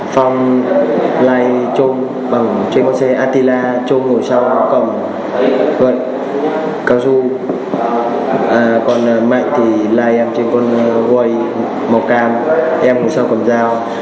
thì like em trên quay màu cam em cũng sao cầm dao